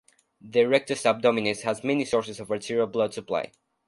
The rectus abdominis has many sources of arterial blood supply.